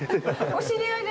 お知り合いですか？